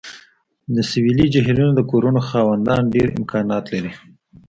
د سویلي جهیلونو د کورونو خاوندان ډیر امکانات لري